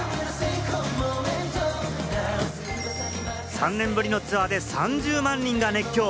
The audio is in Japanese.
３年ぶりのツアーで３０万人が熱狂。